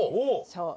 そう。